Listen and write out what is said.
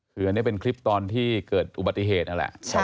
คืออันนี้เป็นคลิปตอนที่เกิดอุบัติเหตุนั่นแหละ